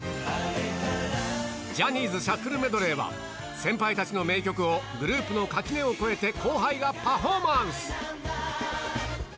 ジャニーズシャッフルメドレーは、先輩たちの名曲を、グループの垣根を越えて後輩がパフォーマンス。